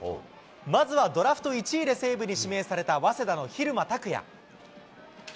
まずはドラフト１位で西武に指名された早稲田の蛭間拓哉。